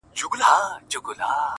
• زه چي لـه چــــا سـره خبـري كـوم.